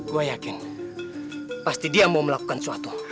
gue yakin pasti dia mau melakukan sesuatu